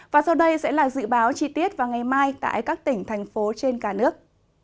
và sau đây sẽ là dự báo chi tiết vào ngày mai tại các tỉnh thành phố trên cả nước